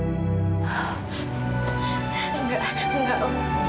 enggak enggak om